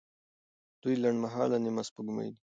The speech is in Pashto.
دوی لنډمهاله نیمه سپوږمۍ دي.